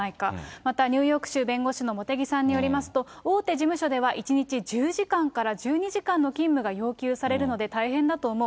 また、ニューヨーク州弁護士の茂木さんによると、大手事務所では１日１０時間から１２時間の勤務が要求されるので、大変だと思う。